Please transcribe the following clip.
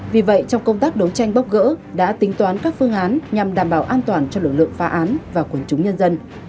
vì vậy trong công tác đấu tranh bóc gỡ đã tính toán các phương án nhằm đảm bảo an toàn cho lực lượng phá án và quân chúng nhân dân